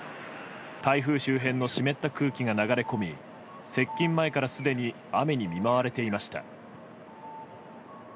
台風周辺の湿った空気が流れ込み接近前からすでに雨に見舞われていました。